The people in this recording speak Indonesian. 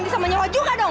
masih sama nyawa juga dong